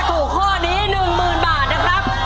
ถ้าถูกข้อนี้๑หมื่นบาทนะครับ